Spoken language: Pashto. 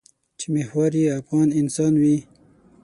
چې محور یې افغان انسان وي.